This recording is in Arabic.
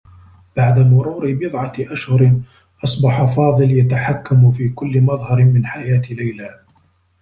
بعد مرور بضعة أشهر، أصبح فاضل يتحكّم في كلّ مظهر من حياة ليلى.